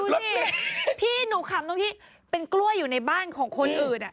พี่หนูขำตรงที่เป็นกล้วยอยู่ในบ้านของคนอื่น